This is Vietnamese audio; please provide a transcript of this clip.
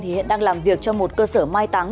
thì hiện đang làm việc cho một cơ sở mai táng